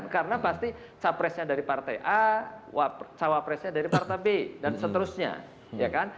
karena pasti capresnya dari partai a cawapresnya dari partai b dan seterusnya